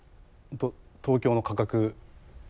東京の価格を。